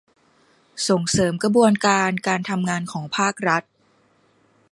ส่งเสริมกระบวนการการทำงานของภาครัฐ